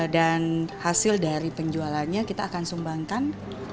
dan hasil dari penjualannya kita akan sumbangkan